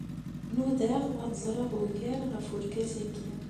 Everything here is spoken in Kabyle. Nudaɣ ad ẓreɣ ugar ɣef wergaz agi